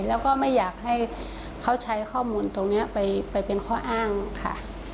แล้วก็ไม่อยากให้เขาใช้ข้อมูลตรงนี้ไปเป็นข้ออ้างค่ะ